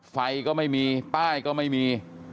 ไฟก็ไม่มีป้ายก็ไม่มี